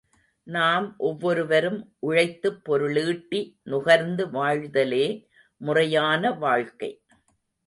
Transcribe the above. நாம் ஒவ்வொருவரும் உழைத்துப் பொருளீட்டி நுகர்ந்து வாழ்தலே முறையான வாழ்க்கை.